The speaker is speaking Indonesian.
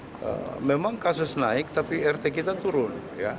jadi memang kasus naik tapi rt kita turun